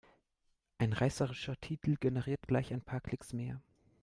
Ein reißerischer Titel generiert gleich ein paar Klicks mehr.